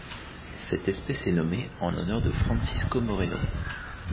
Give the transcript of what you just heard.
Cette espèce est nommée en l'honneur de Francisco Moreno.